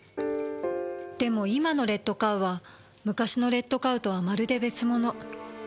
でも今の「レッドカウ」は昔の「レッドカウ」とはまるで別物。